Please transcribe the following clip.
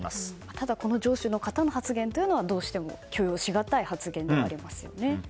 ただ、この上司の方の発言はどうしても許容しがたい発言ではありますよね。